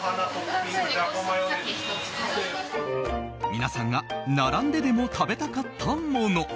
皆さんが並んででも食べたかったもの